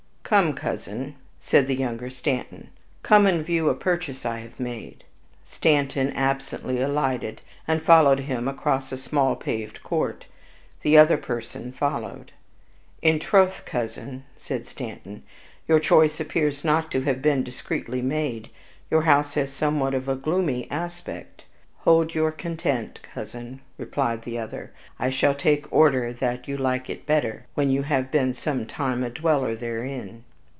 Come, Cousin," said the younger Stanton, "come and view a purchase I have made." Stanton absently alighted, and followed him across a small paved court; the other person followed. "In troth, Cousin," said Stanton, "your choice appears not to have been discreetly made; your house has somewhat of a gloomy aspect." "Hold you content, Cousin," replied the other; "I shall take order that you like it better, when you have been some time a dweller therein."